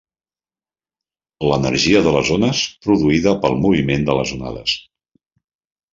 L'energia de les ones, produïda pel moviment de les onades.